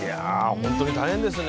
本当に大変ですね